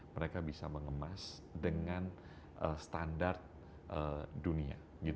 mereka bisa mengemas dengan standar dunia